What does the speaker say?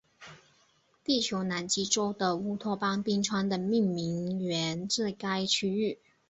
地球南极洲的乌托邦冰川的命名源自该区域。